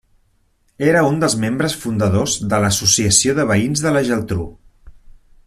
Era un dels membres fundadors de l'Associació de Veïns de la Geltrú.